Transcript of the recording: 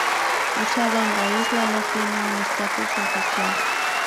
Usada en la isla, no tiene un estatus oficial.